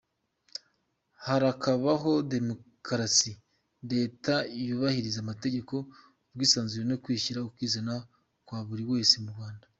Harakabaho Demokarasi, Leta yubahiriza amategeko, ubwisanzure no kwishyira ukizana kwa buri wese mu Rwanda.